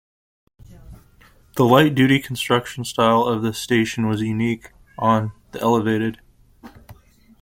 The light-duty construction style of this station was unique on the Elevated.